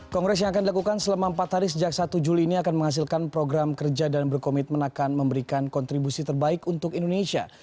kongres yang akan dilakukan selama empat hari sejak satu juli ini akan menghasilkan program kerja dan berkomitmen akan memberikan kontribusi terbaik untuk indonesia